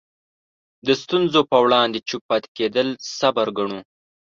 د ستونزو په وړاندې چوپ پاتې کېدل صبر ګڼو.